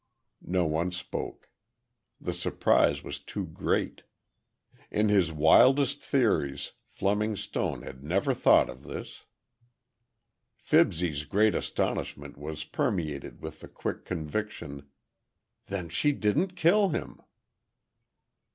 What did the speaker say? No one spoke. The surprise was too great. In his wildest theories, Fleming Stone had never thought of this. Fibsy's great astonishment was permeated with the quick conviction, "then she didn't kill him!"